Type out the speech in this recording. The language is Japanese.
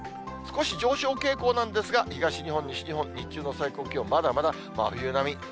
少し上昇傾向なんですが、東日本、西日本、日中の最高気温、まだまだ真冬並み。